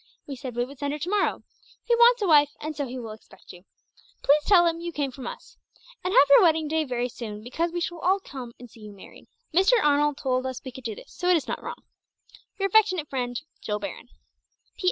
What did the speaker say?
We said we would send her to morrow. He wants a wife, and so he will expect you. Please tell him you came from us. And have your wedding day very soon, because we shall all come and see you married. Mr. Arnold told us we could do this, so it is not wrong. "Your affectionate friend, "JILL BARON.